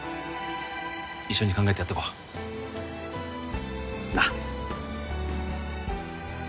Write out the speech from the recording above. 一緒に考えてやっていこうなっ